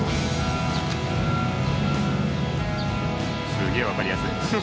すげえ分かりやすい。